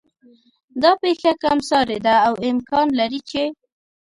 دا پېښه کم سارې ده او امکان لري چې